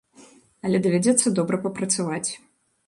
Але давядзецца добра папрацаваць.